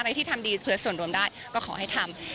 ที่ทำดีเพื่อส่วนรวมได้ก็ขอให้ทำ